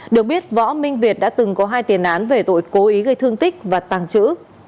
được biết võ minh việt đã từng có hai tiền án về tội cố ý gây thương tích và tàng trữ